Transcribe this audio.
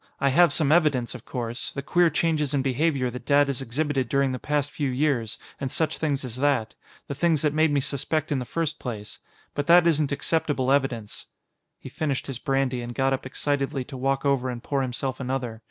I have some evidence, of course; the queer changes in behavior that Dad has exhibited during the past few years, and such things as that. The things that made me suspect in the first place. But that isn't acceptable evidence." He finished his brandy and got up excitedly to walk over and pour himself another.